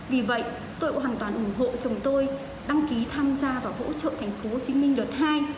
vì vậy tôi cũng hoàn toàn ủng hộ chồng tôi đăng ký tham gia và hỗ trợ tp hcm đợt hai